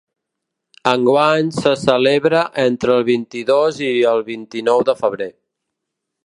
Enguany se celebra entre el vint-i-dos i el vint-i-nou de febrer.